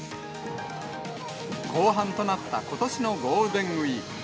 後半となったことしのゴールデンウィーク。